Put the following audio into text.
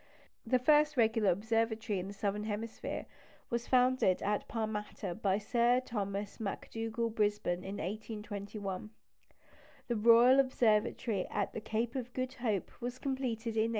The first regular observatory in the Southern Hemisphere was founded at Paramatta by Sir Thomas Makdougall Brisbane in 1821. The Royal Observatory at the Cape of Good Hope was completed in 1829.